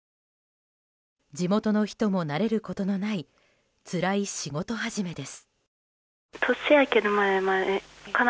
地元の人も慣れることのないつらい仕事始めです。